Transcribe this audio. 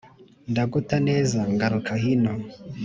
Ndagota neza ngaruka hino,